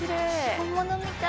本物みたい。